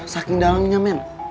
saking dalemnya men